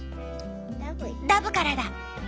ダブからだ。